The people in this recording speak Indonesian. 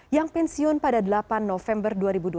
yang pensiun pada delapan november dua ribu dua puluh